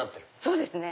そうですね。